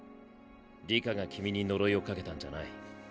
里香が君に呪いをかけたんじゃない。